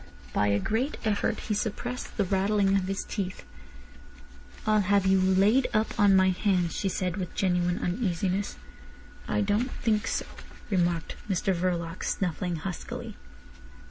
By a great effort he suppressed the rattling of his teeth. "I'll have you laid up on my hands," she said, with genuine uneasiness. "I don't think so," remarked Mr Verloc, snuffling huskily.